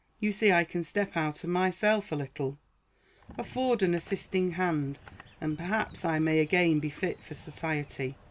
You see I can step out of myself a little. Afford an assisting hand, and perhaps I may again be fit for society.